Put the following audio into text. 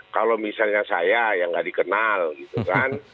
kalau misalnya saya yang nggak dikenal gitu kan